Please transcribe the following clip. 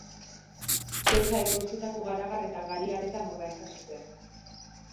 Petxa ekoiztutako garagar eta gari aletan ordaintzen zuten.